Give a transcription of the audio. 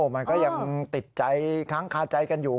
มันก็ยังติดใจค้างคาใจกันอยู่